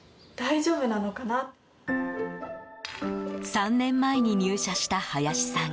３年前に入社した林さん。